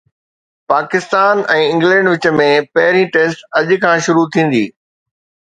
Pakistan ۽ England وچ ۾ پهرين test اڄ کان شروع ٿيندي